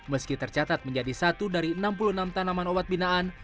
meski tercatat menjadi satu dari enam puluh enam tanaman obat binaan